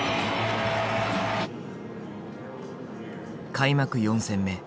開幕４戦目。